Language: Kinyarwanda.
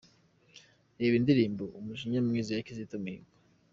Reba indirimbo "Umujinya Mwiza" ya Kizito Mihigo.